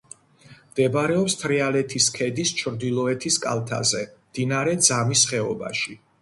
მდებარეობს თრიალეთის ქედის ჩრდილოეთ კალთაზე, მდინარე ძამის ხეობაში.